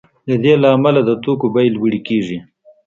د دې له امله د توکو بیې لوړې کیږي